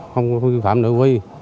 không khuyên phạm nữ huy